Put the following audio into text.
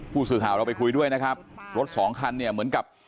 ผู้สื่อข่าวเราไปคุยด้วยนะครับรถสองคันเนี่ยเหมือนกับ